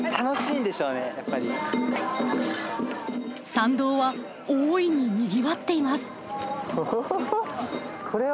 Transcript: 参道は大いににぎわっています。